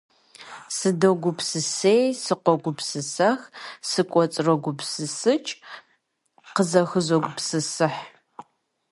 Сыдогупсысей, сыкъогупсысэх, сыкӀуэцӀрогупсысыкӀ, къызэхызогупсысыхь.